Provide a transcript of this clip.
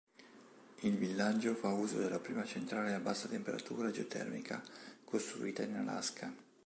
Il villaggio fa uso della prima centrale a bassa temperatura geotermica costruita in Alaska.